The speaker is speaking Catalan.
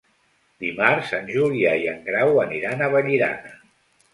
Dimarts en Julià i en Grau aniran a Vallirana.